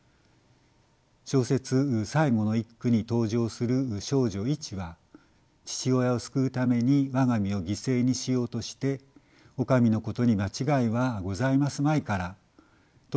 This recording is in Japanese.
小説「最後の一句」に登場する少女いちは父親を救うために我が身を犠牲にしようとしてお上のことに間違いはございますまいからという一句を奉行に投げかけます。